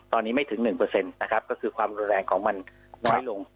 ตอนนี้ไม่ถึง๑นะครับก็คือความรุนแรงของมันน้อยลง